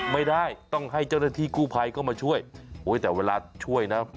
ไม่ได้ต้องให้เจ้าหน้าที่กู้ภัยก็มาช่วยโอ้ยแต่เวลาช่วยนะ